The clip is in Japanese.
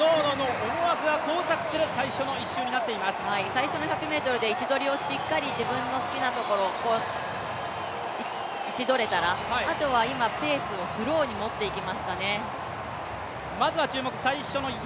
最初の１００ｍで位置取りを、しっかり自分の好きなところを位置取れたら、あとは今、ペースをスローに持っていきましたね。